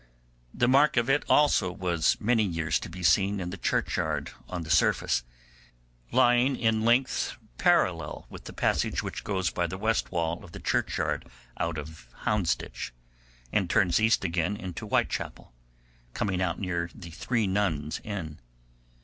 The mark of it also was many years to be seen in the churchyard on the surface, lying in length parallel with the passage which goes by the west wall of the churchyard out of Houndsditch, and turns east again into Whitechappel, coming out near the Three Nuns' Inn.